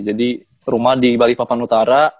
jadi rumah di balikpapan utara